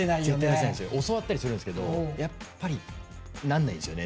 教わったりするんですけどやっぱりなんないんですよね